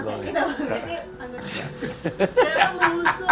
kenapa mengusung mbak ganjar dan